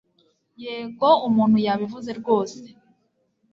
Yego umuntu yabivuze rwose